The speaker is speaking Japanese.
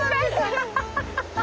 ハハハハハ！